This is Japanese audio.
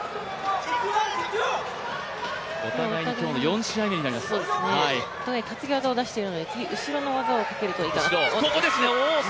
お互いに今日の４試合目になります担ぎ技を出しているので、後ろを出すといいかと思います。